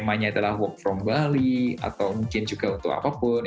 namanya adalah work from bali atau mungkin juga untuk apapun